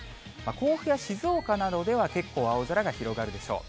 甲府や静岡などでは結構青空が広がるでしょう。